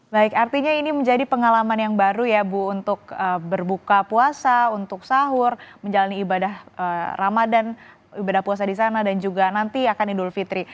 baik artinya ini menjadi pengalaman yang baru ya bu untuk berbuka puasa untuk sahur menjalani ibadah ramadan ibadah puasa di sana dan juga nanti akan idul fitri